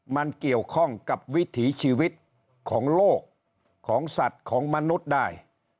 มันเกี่ยวข้องกับวิถีชีวิตของโลกของสัตว์ของมนุษย์ได้